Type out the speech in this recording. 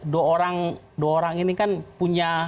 dua orang ini kan punya